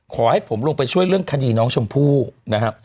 ขอให้ผมลงไปช่วยเรื่องคดีน้องชมพู่นะครับ